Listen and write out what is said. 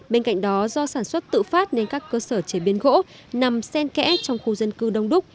bên cạnh đó do sản xuất tự phát nên các cơ sở chế biến gỗ nằm sen kẽ trong khu dân cư đông đúc